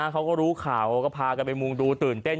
เขาก็รู้ข่าวก็พากันไปมุงดูตื่นเต้น